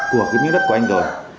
của cái miếng đất của anh rồi